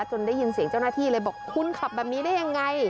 ได้ยินเสียงเจ้าหน้าที่เลยบอกคุณขับแบบนี้ได้ยังไง